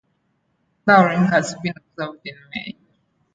Flowering has been observed in May.